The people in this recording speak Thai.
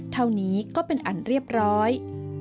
เท่านี้ก็เป็นอันเรียบร้อย